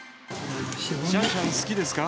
シャンシャン好きですか？